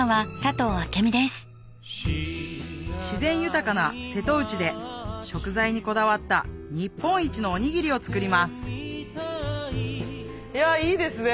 自然豊かな瀬戸内で食材にこだわった日本一のおにぎりを作りますいいですね